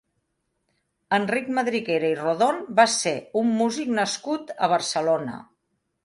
Enric Madriguera i Rodon va ser un músic nascut a Barcelona.